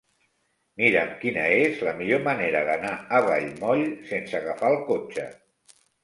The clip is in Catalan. Mira'm quina és la millor manera d'anar a Vallmoll sense agafar el cotxe.